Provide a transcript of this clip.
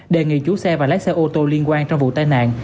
đề nghị chủ xe và lái xe ô tô liên quan trong vụ tai nạn